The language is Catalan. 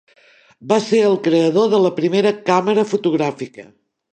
Va ser el creador de la primera càmera fotogràfica.